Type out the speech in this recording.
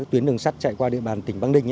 tuyến đường sắt chạy qua địa bàn tỉnh bắc ninh